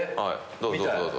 どうぞどうぞ。